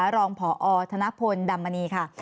รองพอธนพลดำมณีค่ะ